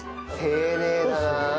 丁寧だな。